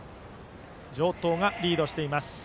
城東がリードしています。